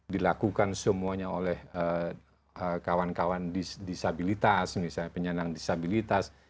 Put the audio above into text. dilakukan semuanya oleh kawan kawan disabilitas misalnya penyandang disabilitas